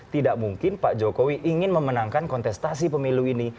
tidak mungkin pak jokowi ingin memenangkan kontestasi pemilu ini